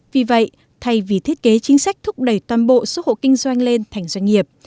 vì vậy thay vì thiết kế chính sách thúc đẩy toàn bộ số hộ kinh doanh lên thành doanh nghiệp